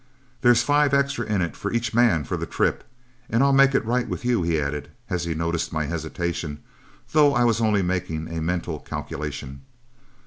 "'There's five extra in it for each man for the trip, and I'll make it right with you,' he added, as he noticed my hesitation, though I was only making a mental calculation.